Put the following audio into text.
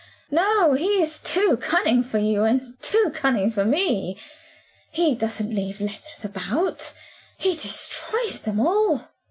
no! He's too cunning for you, and too cunning for me. He doesn't leave letters about; he destroys them all.